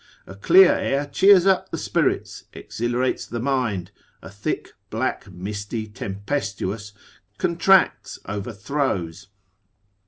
A clear air cheers up the spirits, exhilarates the mind; a thick, black, misty, tempestuous, contracts, overthrows.